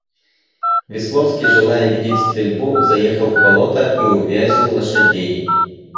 Весловский, желая видеть стрельбу, заехал в болото и увязил лошадей.